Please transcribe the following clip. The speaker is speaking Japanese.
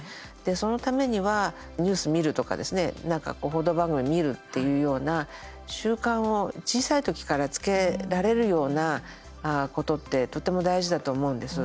そのためにはニュース見るとかですね報道番組を見るっていうような習慣を小さい時からつけられるようなことってとても大事だと思うんです。